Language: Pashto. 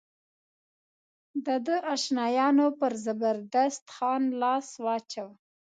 د ده اشنایانو پر زبردست خان لاس واچاوه.